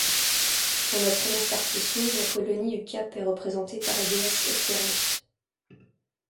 Dans la première partition, la colonie du Cap est représentée par la déesse Espérance.